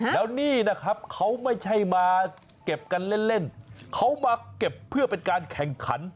แล้วนี่นะครับเขาไม่ใช่มาเก็บกันเล่นเขามาเก็บเพื่อเป็นการแข่งขัน